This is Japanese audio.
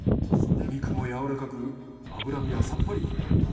お肉もやわらかく脂身はさっぱり。